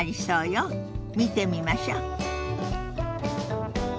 見てみましょ。